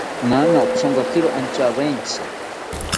Naana othonkakiro ontyawetzi